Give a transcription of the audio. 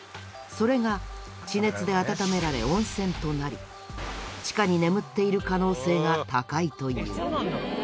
それが地熱で温められ温泉となり地下に眠っている可能性が高いという。